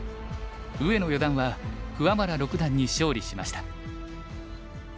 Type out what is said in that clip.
上野四段は桑原六段に勝利しました。